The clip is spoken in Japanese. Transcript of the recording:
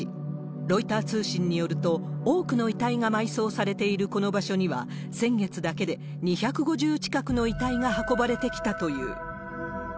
ロイター通信によると、多くの遺体が埋葬されているこの場所には、先月だけで２５０近くの遺体が運ばれてきたという。